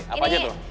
apa aja tuh